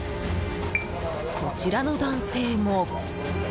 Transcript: こちらの男性も。